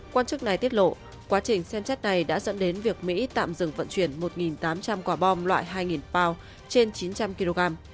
quan chức này tiết lộ quá trình xem chất này đã dẫn đến việc mỹ tạm dừng vận chuyển một tám trăm linh quả bom loại hai pow trên chín trăm linh kg